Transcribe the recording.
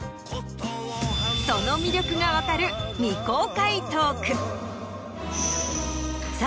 その魅力が分かる未公開トーク。